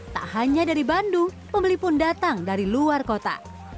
tak hanya dari bandung pembeli pun datang dari luar kota